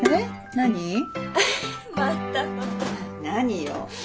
何よ。